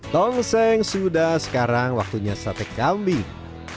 tongseng sudah sekarang waktunya sate kambing